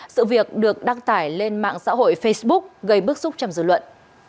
sự việc được đăng tải lên mạng xã hội facebook gây bức xúc trong dư luận